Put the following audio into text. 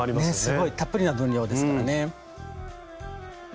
すごいたっぷりな分量ですからね。